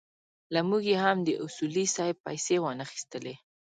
له موږ یې هم د اصولي صیب پېسې وانخيستلې.